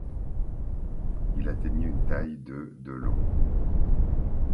Il atteignait une taille de de long.